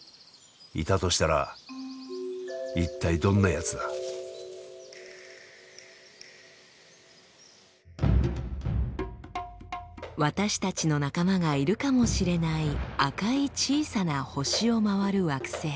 いたとしたら一体どんなやつだ？私たちの仲間がいるかもしれない赤い小さな星を回る惑星。